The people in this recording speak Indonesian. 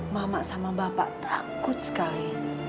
mama sama bapak takut sekali